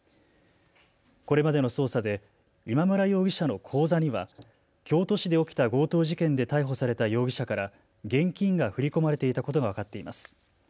これまでの捜査で今村容疑者の口座には京都市で起きた強盗事件で逮捕された容疑者から現金が振り込まれていたことが分かっています。